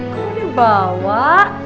kok dia bawa